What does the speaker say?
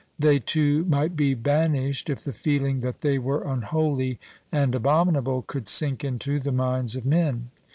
They, too, might be banished, if the feeling that they were unholy and abominable could sink into the minds of men.